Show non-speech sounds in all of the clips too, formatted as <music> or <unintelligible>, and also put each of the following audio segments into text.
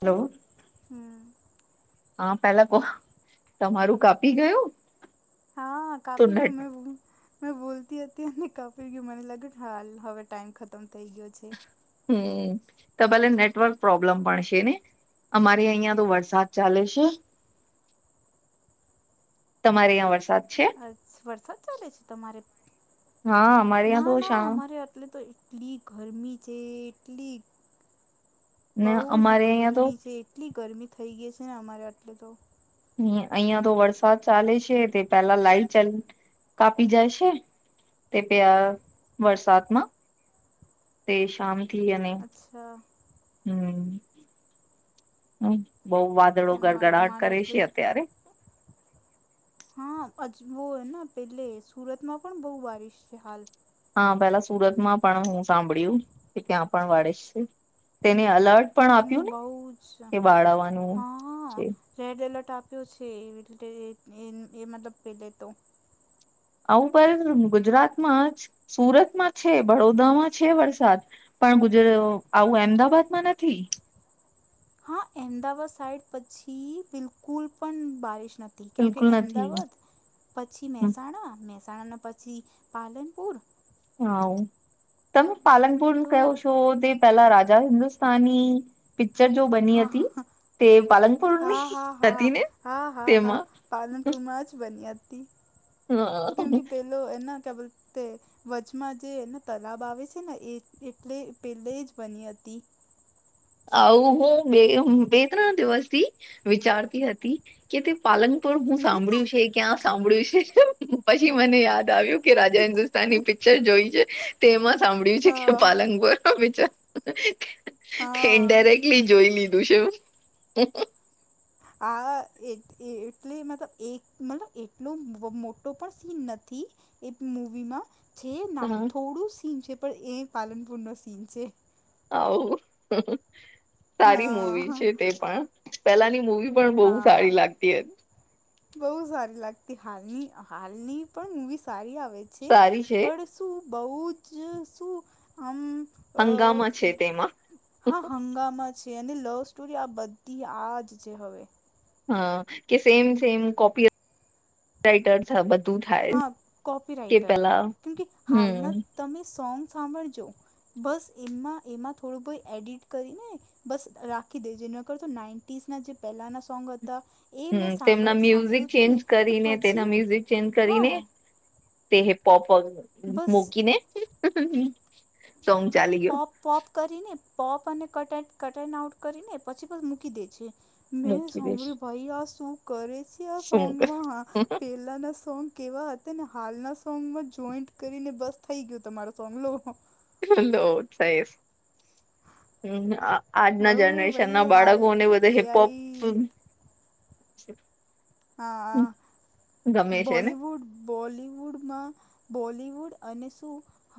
Hello. હમ હા પેલા કો તમારું કાપી ગયું. હા તો કાફી ગું નેટ મેં બોલતી હતી અને કાપીર ગયું મને લાગ્યું હાલ હવે ટાઈમ ખતમ થઇ ગયો છે. હમ તમારે નેટવર્ક પ્રોબ્લેમ પણ છેને. અમારે અહિયાં તો વરસાદ ચાલે છે. <inaudible> તમારે ઈયાં વરસાદ. છે અ છ વરસાદ ચાલે છે તમારે હા અમારે ત્યાં ના તો ના શા અમારે આ એટલે તો એટલી ગરમી છે એટલી ને બઉ જ અમારે અહિયાં તો ગરમી છે એટલી ગરમી થઈ ગઈ છે ને અમારે આટલે તો. અહિયા તો વરસાદ ચાલે છે તે તાલા લાઈટ કાપી જાય છે. તે તે આ વરસાદમાં તે શાંતિ અને અચ્છા. હમ્મ. હમ્મ અ બઉ વાદળો અમારે ગડગડાટ અમારે કરે આટલે છે અત્યારે. હા અજબો હેન પેલે સુરતમાં પણ બઉ બારિશ છે હાલ. હા પેલા સુરતમાં પણ હું સાંભળ્યું કે ત્યાં પણ વાળેસ છે તેને અલર્ટ પણ હમ આપ્યું ને બહુ જ એ બાળવાનું છે હા રેડ એલર્ટ આપ્યું છે એ એ મતલબ પેલે તો આવું પર ગુજરાતમાં જ સુરતમાં છે વડોદરામાં છે વરસાદ પણ ગુજ આવું અમદાવાાદમાં નથી. હા અમદાવાદ સાઈડ પછી બિલકુલ પણ બારિશ નથી. કેમ કે બિલકુલ નથી અમદાવાદ પછી મહેસાણા મહેસાણાના પછી પાલનપુર હા તમે પાલનપુર તો કહો છો, તે પેલા રાજા હિન્દુસ્તાની પિચર જો બની હતી હા તે પાલનપુરની હા હા હા હા હતી ને હા હા હા તેમાં પાલનપુરમાં જ બની્યા હતી કેકી પેલો એના ક્યા બોલતે વચમાં જે એનો તલાબ આવે છે ને એ એટલે પેલે જ બની હતી. આવું હું બે બે ત્રણ દિવસથી વિચારતી હતી. કે તે પાલંનપુર હું સાંભળ્યું છે ક્યાં સાંભળ્યું છે, પછી મને યાદ આવ્યું કે રાજા હન્દુસ્ તાની પિક્ચર જોય છે તેમાં સાંભળ્યું છે કે હા પાલંગપુર ન પિક્ચર હા ઇન્ડાયરેક્ટલી જોઈ લીધું છે. આ એટલે મતલબ એક મતલબ એટલો મોટો પણ સીન નથી. એ મૂવીમાં છે ના હા, થોડું સીન છે પણ એ પાલનપુર ન સીન છે આવ સારી મવી હા છે તે પણ પેલાની મૂવી પણ બહુ હા સારી લાગતી એ બહુ સારી લાગતી હાલની હાલની પણ મવી સારી આવે છે સારી છે પણ શું બઉ જ શું આમ અ હંગામા છે તેમાં હા હંગમા છે અને લવ સ્ટોરી આ બધી આજ છે હવે હા કે સેમ સેમ કોપી રાઈટર બધું થાય હા કોપી કે રાઇટર પેલા કેમ કે હમ હાલના તમે સોંગ સાંભળજો બસ એમાં એમાં થોડું બહું એડિટ કરીને બસ રાખી દેજે નોકો તો નાઈન્ટીસ ના જે પહેલાના સોંગ હતા એ મેં હમ તેમના સાંભળ મ્યુઝિક સાંભળું છું ચેન્જ ને તો કરીને પછી તેના મ્યુઝિક ચેન્જ કરીને હા તે હિપપ બસ મૂકીને સોંગ ચાલી ગયો પોપ પોપ કરીને પોપ અને કટ કટન આઉટ કરીને પછી બસ મૂકી દે છે મેં મૂકી દઈશ સાભળ્યું ભાઈ આ શું કરે છે આ શું સોન્ગમાં હા પેલાના સોંગ કેવા હતા ને હાલના સોંગમાં જોઈન્ટ કરીને બસ થઈ ગયુ તમારૂ સોંગ લો <unintelligible> <inaudible> હમ્મ આજના બઉ જનરેશન ના ભાઈ હાલ બાળકોને બધા હિપહપ. એઆઈ અચ્છ. હ છે ને બોલીવુડ બોલીવુડમાં બોલીવુડ અને શું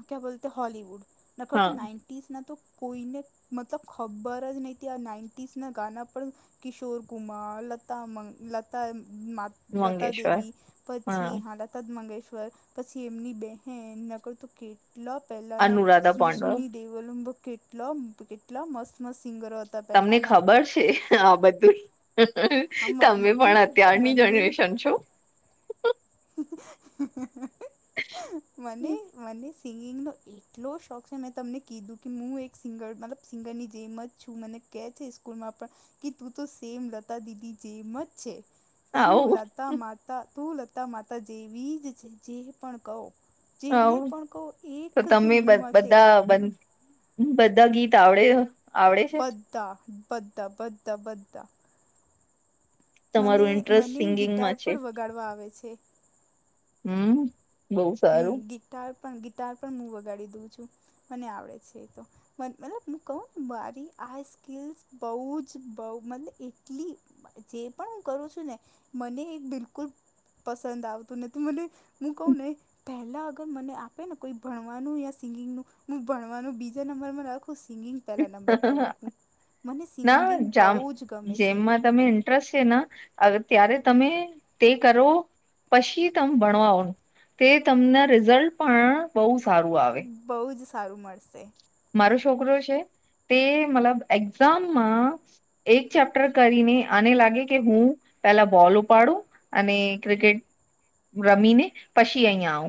ક્યા બોલતે હોલીવુડ નખો હા તું નાઇન કોઈને મતલ ખબર જ નહિ આ નાઇન્ટીસ ના ગાના પણ કિશોર કુમાર લતા મ લ લતા મંગેશ્વર દેવી પછી હા તદમંગેશ્વર પછી એમની બે નકર તુંકી ટલા પહેલા ના અનુરાધા પાંડવ સુની દેવલ કેટલા ટલા મસ્ત મસ્ત સિંગરો હતા તમને પહેલાના ખબર છે આ બધું હા મ મ તમે કેમ પણ કે અત્યારની મને જનરેશન છો મને મનીષ સિંગિંગનો એટલો શોખ છે મેં તમને કીધું કે હું એક સિંગર મતલબ સિંગરની જેમ જ. છું મને કે છે સ્કૂલમાં પણ કે તું તો સેમ લતા દીદી જેમ જ છે. શું આવું લતા માતા તું લતા માતા જેવી જ છે જે પણ કહો. જેને આવું પણ કહ એકજ મુમાં છે. સબંધ હ બધા ગીત આવડે. આવડે છે બધા બધા બધા બધા મને તમારું ઇન્ટરેસ્ટ મને ગિટાર સિંગિંગમાં છે પણ વગાડવા આવે છે. હમ્મ હમ્મ ગિટાર પણ ગિટાર પણ હું વગાડી દઉં છું મને આવડે છે એ તો. મ મતલબ હું કહું ને મારી આ સ્કલ્સ બહુજ બહ મતલબ એટલી. જે પણ હું કરું છું ને મને એ બિલકુલ. પસંદ આવતું નથી મને હું કહુ ને પહેલાં અગર મને આપે ને કોઈ ભણવાનું યા સિંગિંગનું હું ભણવાનું બીજા નંબરમાં રાખું સિંગિંગ. પહેલા નંબર પર રાખુ મને ના સિંગિંગ જામ બહુજ ગમે છે. જેમમાં તમે છે ત્યારે તમે તે કરો. પછી તમે ભણવાોનું તે તમને રિઝલ્ટ પણ બહુ સારું આવે. બહુજ સારું મળશે. મારો છોકરો છે તે મતલબ એક્ઝામમાં. એક ચેપ્ટર કરીને આને લાગે કે હું પેલા બોલ ઉપાડું. અને ક્રિકેટ રમીને પછી અહીં આવ.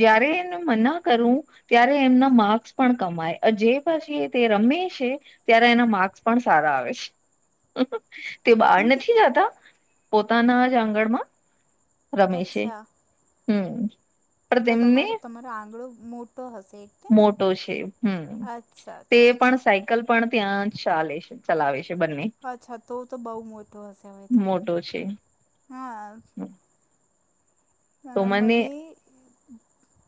જ્યારે એને મના કરું ત્યારે એમના માર્ક્સ પણ કમ આય. જે પછી તે રમે છે ત્યારે એના માર્ક્સ પણ સારા આવે છે. હ. તે બહાર કેમકે નથી જતા પોતાનાજ આંગણમાં રમેશે. અચ્છા હમ. તો તમારો તમારો આંગડો મોટો હશે. એટલે ને મોટો છે હમ અચ્છા તે અચ્છા પણ અચ્છા સાયકલ પણ ત્યાં ચાલે છે. ચલાવે છે બંને. અચ્છા તો તો બહુ મોટો હશે હવે તો મોટો છે હા. ના ના મને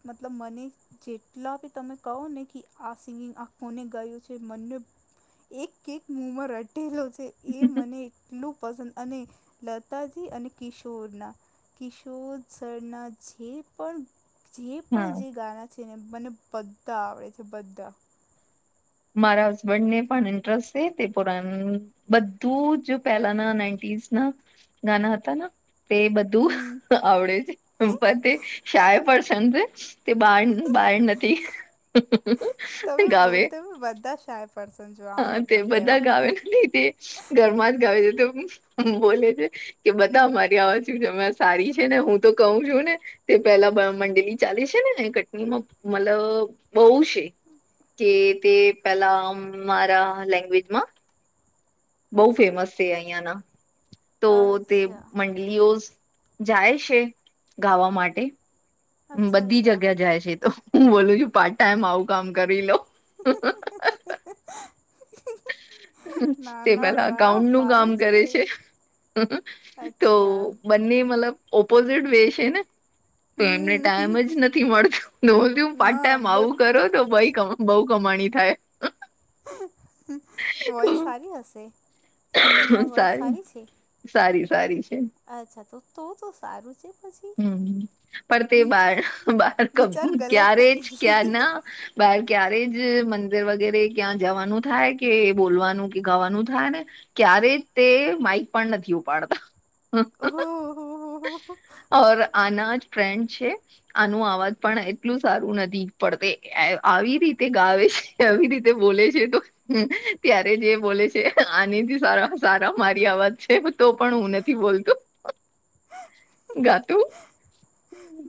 મતલબ મને. જેટલા બી તમે કહો ને કે આ સિંગિંગ આ ફોને ગયું છે મને. એક કેક મોમાં રટેલો છે એ મને એટલું પસંદ અને લતાજી અને કિશોરના કિશોર સરના જે પણ જે પણ હા જે ગાના. છે ને મને બધા આવડે છે બધા. મારા હસબેન્ડ ને પણ ઇન્ટરેસ્ટ છે તે પુરા બધું જો પહેલાના નાઇન્ટીસ ના ગાના હતા તે બધું હમ આવડે છે પણ તે શાય પરસન છે તે બા બાર નથી તમે બ ગાવે. બધા શાય પર્સન જો હા તે બધા ગાવેલ તે ઘરમાંજ ગાવે છે તો બોલે છે. કે બધા અમારી અવાજુ જમ્યા સારી છે ને હું તો કહું છું ને. તે પેલા મંડેલી ચાલે છે ને કટનીમાં મતલબ બહઉુ છે. કે તે પેલા મારા લેંગ્વેજમાં. બહુ અચ્છા ફેમસ છે અહિયાં ના તો તે અચ્છા મ લિઓઝ જાય છે ગાવા માટે. અચ્છા બધી અચ્છા જગ્યા જાય છે તો હું બોલું છું પાર્ટ ટાઈમ આવું કામ કરી લો. <unintelligible> ના તે ના પેલા સા અકાઉન્ટ નું કામ સારું કરે છે તો. અચ્છા બંને મતલબ ઓપોઝિટ વે છે ને. તો એમને ટાઈમ હમ જ નથી મળતો હુ પાર્ટ ના ટાઈમ બ આવું કરો તો ભાઈ કમાવો બહુ કમાણી થાય <unintelligible> વોઇસ સારી હશે સિંગિંગમાં <unintelligible> વોઇસ સારી છે સારી સારી છે અચ્છા તો તો તો સારું છે પછી હમ પણ તે હમ, બાર બાર ક વિચાર ગલત ક્યારે જ ક્યાં નથી ના બાર ક્યારે જ મંદિર વગેરે ક્યાં જવાનું થાય કે બોલવાનું ગાવાનું થાય ને ક્યારે તે માઈક પણ નથી ઉપાડતા ઓહા ઓર આનાજ ફ્રેન્ડ છે આનું અવાજ પણ એટલું સારું નથી પણ તે એ આવ આવી રીતે ગાવે છે કેવી રીતે બોલે છે તો હ ત્યારેજે બોલે છે આનીથી સારા સારા મારી આવાજ છે તો પણ હું નથી બોલતું ગાતું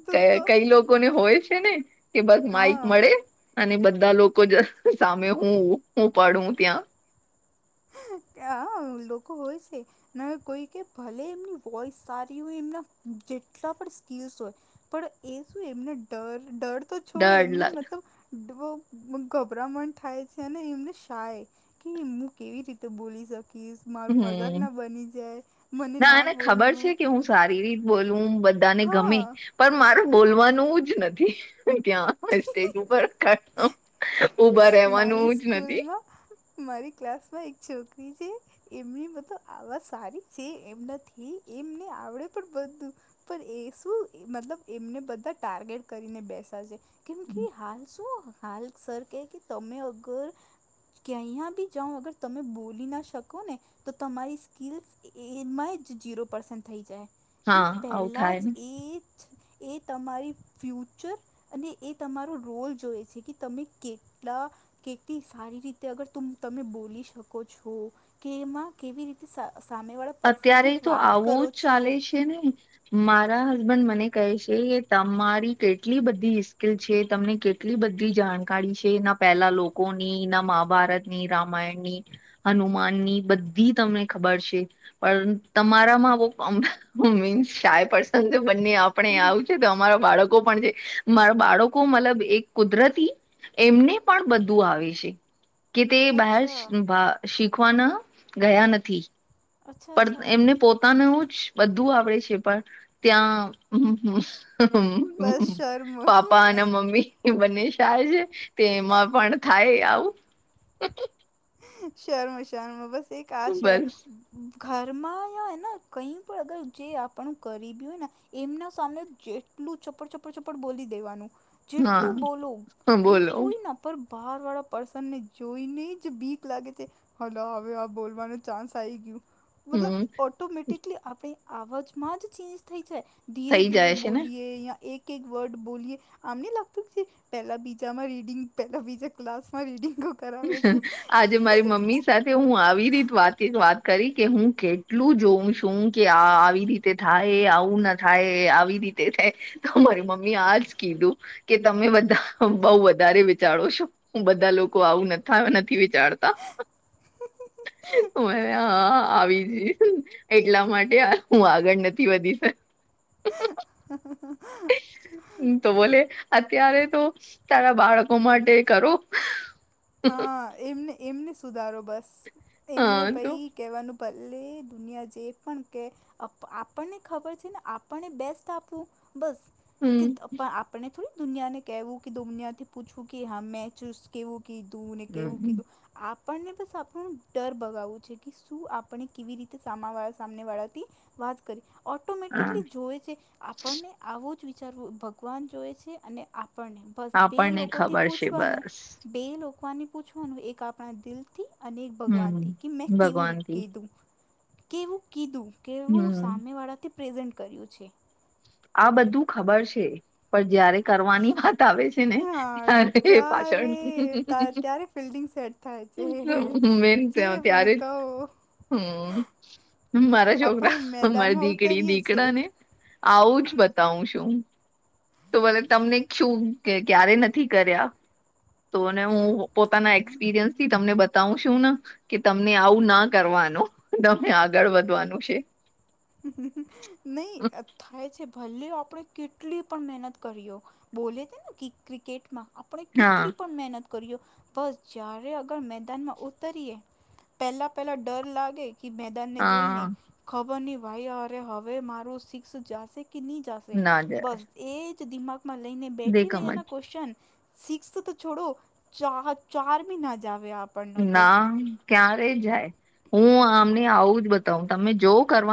તો કે તો કઈ લોકોને હોય છે ને કે બસ માઈક હા મળે અને બધા લોકો જ સામે હું હું ઉપાડું ત્યાં હ લોકો હોય છે ના કોઈ કે ભલે એમની વોઈસ સારી હોય એમના જેટલા પણ સ્કીલ્સ હોય પણ એ શું એમને ડર ડર તો છોડો ડર એમને લાગે મતલબ બહુ ગભરામણ થાય છે અને એમને શાાય કે હું કેવી રીતે તો બોલી શકીશ મારું મજાક હમ ના બની જાય મને ના એને ખબર બોલવું છે કે હું સારી રીત બોલવું બધાને ગમે હા પણ મારે બોલવાનું જ નથી ત્યાં સ્ટેજ ઉપર <unintelligible> ઊભા મારી રહેવાનું જ નથી સ્કૂલમાં મારી ક્લાસ માં એક છોકરી છે એમની મ તો આવા સારી છે એમના થી એમને આવડે પણ બધું પણ એ શું મતલબ એમને બધા ટાર્ગેટ કરીને બેસા છે કેમ કે હાલ શું હાલ સર કે કે તમે અગર ક્યાયા બી જાઓ અગર તમે બોલી ના શકો ને તો તમારી સ્કીલ્સ એમાં જ ઝીરો પર્સન્ટ થઈ જાય હા <unintelligible> આવું પહેલા થાય જ એ જ એ તમારી ફ્યુચર અને એ તમારો રોલ જોય છે કે તમે કે એટલા કેટલી સારી રીતે અગર તુમ તમે બોલી શકો છો કેમાં કેવી રીતે સા સામે વાળા પર્સનથી વાત કરો છો કે ને મારા હસબન્ડ મને કહે છે કે તમારી કેટલી બધી સ્કીલ છે તમને કેત એટલી બધી જાણકારી છેના પહેલા લોકોની ના મહાભારત ની રામાયણની હનુમાનની બધી તમને ખબર છે. પણ તમારામાં વો ઓમ મીન્સાય પસંદ બંને આપણે આવ તે તમારા બાળકો પણ છે મારા બાળકો મતલબ એક કુદરતી એમને પણ બધું આવે છે કે તે બહાશ અચ્છા ભા શીખવાના ગયા નથી અચ્છા પણ અચ્છા એમને પોતાનું જ બધું આવડે છે પણ ત્યાં હહ હુહુ બસ શર્મ પાપા અને મમ્મી એ બંને શાય છે તે એમાં પણ થાય આવું શર્મ શર્મ બસ એક આશ બસ ઘરમાં જાય ન કઈ પણ અગર જે આપણું કરીબી હોય ન એમના સામે જેટલું ચપ્પર ચપ્પર ચપ્પડ બોલી દેવાનું જેટલું હા બોલુ એ બોલો કોઈના પર બહારવાળા પર્સનને જોઈને જ બીક લાગે છે હલા હવે આ બોલવાનો ચાન્સ આઈ ગ્યું. મતલબ હમ ઓટોમેટિકલી આપણી અવાજમાં જ ચેન્જ થઈ જાય ધીરે થઈ ધીરે જાય છે ને બોલીએ યા એક એક વર્ડ બોલીએ આમને લાગતું છે પેલા બીજામાં રીડિંગ પેલા બીજા ક્લાસ માં રીડિંગ આજે મારી મમ્મી સાથે હું આવી રીત વાતે વાત કરી કે હું કેટલું જોઉ છું કે આ આવી રીત તે થાય આવું ના થાય આવી રીતે થાય તો મારી મમ્મી આજ કીધું કે તમે બધા બઉ વધારે વિચારો છો હું બધા લોકો આવું નથ થાવ નથી વિચારતા તું મને હા આવી જ રીત એટલા માટે હું આગળ નથી વધી શક અહહ હ તો બોલે અત્યારે તો તારા બાળકો માટે કરો. હા એમને એમને સુધારો બસ હા એમને તો પાઈ. કહેવાનું ભલે દુનિયા જે પણ કે. આપણને ખબર છે ને આપણને બેસ્ટ આપવું બસ. હમ કે આપને થોડી દુનિયાને કેહેવું કે દુનિયાથી પૂછવું કે હા મેચૂ કેવું. કીધું ને કેવું હમ કીધું. આપણને બસ આપણુ ડર બગાવવું છે કે શું આપણે કેવી રીતે સામાવાળા સામનેવાળાથી વાત કરી હા ઓટોમેટિકલી જોવે છે આપણને આવો જ વિચારવું ભગવાન જોએ છે અને આપણને બસ બે આપણને લોકોથી ખબર છે પૂછવાનું બસ બે લોકોને પૂછવાનું એક આપણા દિલથી અનેક ભગવાનથી હમ કે મેં કેવું ર ભગવાનથી કીધું કેવું કીધું કેવું હમ સામેવાળાથી પ્રેઝન્ટ કર્યું છે. આ બધું ખબર છે. પણ જયારે કરવાની વાત આવે છે ને હા ત્યારે પાછળ. ત્યારે ત્યારે ફિલ્ડિંગ સેટ થાય છે મેન ત જે પણ ત્યારે જ કહો હમ. મારા છોકરા આપણે મારી મેદાનમાં દીકડી ઉતરીએ છીએ. દીકડા ને આવુંજ બતાવું છું. તો ભલે તમને શું ક્યારે નથી કર્યા. તો હું પોતાના એક્સપિરિયન્સ થી તમને બતાવું છું ને. કે તમને આવું ના કરવાનું તમને આગળ વધવાનું છે. નહી થાય છે ભલે આપણે કેટલી પણ મહેનત કરીઓ. બોલે છે ને કે ક્રિકેટમાં આપણે હા કેટલી પણ મહેનત. કર્યો બસ જ્યારે અગર મેદાનમાં ઉતરીએ. પહેલા પહેલા ડર લાગે કે મે. ને હા જોઈને ખબર નહી ભાઈ અરે હવે મારું સિક્સ જાશે કે નહીં જશે ના જ બસ એ જ દિમાગમાં લઈને બેઠી દેખમ જ રહ્યાના ક્વેશચન સિક્સ્થ તો છોડો ચાર ચાર મહિ ના જાવે આપ ના ક્યારે જાય હું આમને આવું જ બતાવ તમે જો કરવા